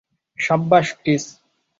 সাব্বাশ, Chris!